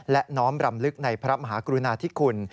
และน้อมรำลึกในพระมหากรุณาธิคุณ